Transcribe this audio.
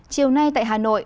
chiều nay tại hà nội